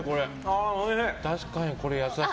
確かに、これ優しい。